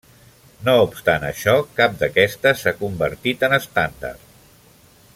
No obstant això, cap d'aquestes s'ha convertit en estàndard.